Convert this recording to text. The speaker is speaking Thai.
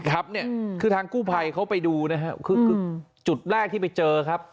ครับเนี่ยคือทางกู้ภัยเขาไปดูนะครับคือจุดแรกที่ไปเจอครับ